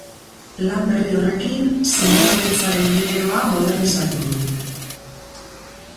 Lan berri horrekin zinema beltzaren generoa modernizatu du.